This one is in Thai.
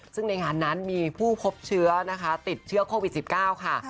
ซึ่งในงานนั้นมีผู้พบเชื้อนะคะติดเชื้อโควิด๑๙ค่ะ